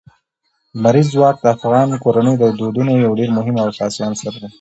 لمریز ځواک د افغان کورنیو د دودونو یو ډېر مهم او اساسي عنصر دی.